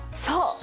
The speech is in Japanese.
そう！